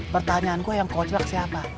pertanyaan gua yang koclak siapa